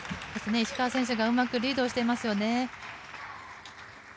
石川選手がうまくリードしていますね。